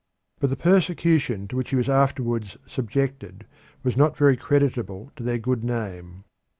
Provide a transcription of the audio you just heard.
But the persecution to which he was afterwards subjected was not very creditable to their good fame.